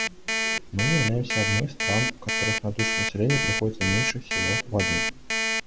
Мы являемся одной из стран, в которых на душу населения приходится меньше всего воды.